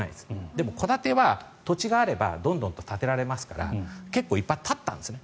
でも、戸建ては土地があればどんどん建てられますから結構いっぱい建ったんですね。